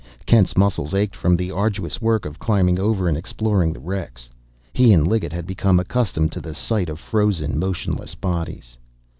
Kent's muscles ached from the arduous work of climbing over and exploring the wrecks. He and Liggett had become accustomed to the sight of frozen, motionless bodies.